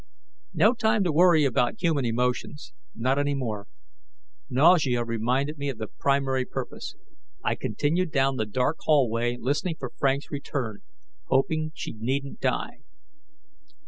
No time to worry about human emotions, not any more. Nausea reminded me of the primary purpose. I continued down the dark hallway, listening for Frank's return, hoping she needn't die.